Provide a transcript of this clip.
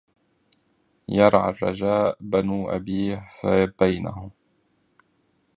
يرعى الرجاء بنو أبيه فبينه